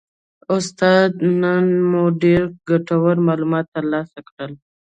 استاده نن مو ډیر ګټور معلومات ترلاسه کړل